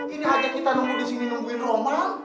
ini aja kita nunggu di sini nungguin roman